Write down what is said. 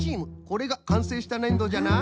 これがかんせいしたねんどじゃな。